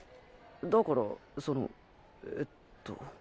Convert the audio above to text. だからそのえっと